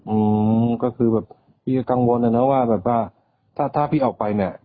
อืมก็คือแบบพี่กังวลนะว่าแบบว่าถ้าถ้าพี่ออกไปเนี้ย